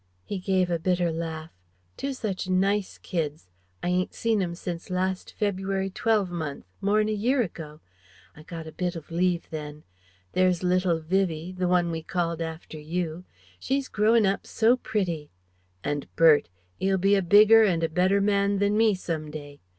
He gave a bitter laugh "Two such nice kids.... I ain't seen 'em since last February twelve month ... more'n a year ago ... I got a bit of leave then.... There's little Vivie the one we called after you.... She's growin' up so pretty ... and Bert! 'E'll be a bigger and a better man than me, some day.